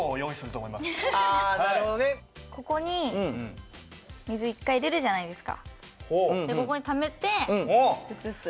ここに水１回入れるじゃないですかでここにためて移す。